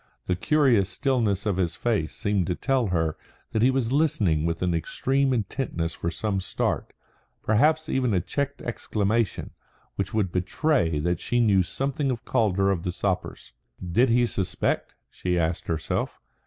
The curious stillness of his face seemed to tell her that he was listening with an extreme intentness for some start, perhaps even a checked exclamation, which would betray that she knew something of Calder of the Sappers. Did he suspect, she asked herself?